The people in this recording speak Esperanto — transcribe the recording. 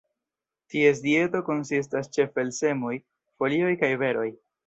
Ties dieto konsistas ĉefe el semoj, folioj kaj beroj.